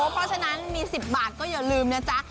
เพราะฉะนั้นมี๑๐บาทก็อย่าลืมนะจ๊ะ